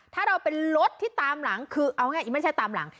ถ้าเราเป็นรถที่ตามหลังคือเอาง่ายไม่ใช่ตามหลัง